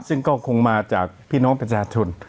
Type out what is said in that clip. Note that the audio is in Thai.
ซึ่งก็คงมาจากพี่น้องประชาชน